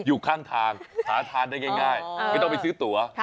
อยู่ข้างทางหาทานได้ง่ายไม่ต้องไปซื้อตั๋ว